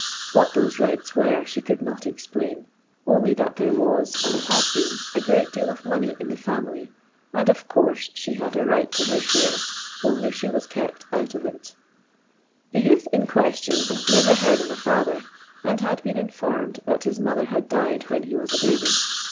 * What those " rights " were she could not explain, only that there was and had been a great desl of money in the family, and of course ^e had a right to her share, only she was kept out of it The youth in question never heard of a ftither, and had been informed that his mother had died when he was a baby.